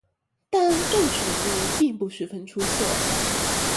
但政治能力并不十分出色。